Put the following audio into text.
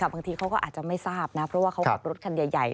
บางทีเขาก็อาจจะไม่ทราบนะเพราะว่าเขาขับรถคันใหญ่